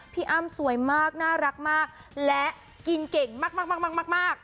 พี่อ้ำสวยมากน่ารักมากและกินเก่งมากมากมากมากมากมาก